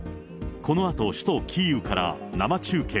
このあと、首都キーウから生中継。